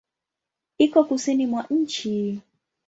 Iko kusini mwa nchi.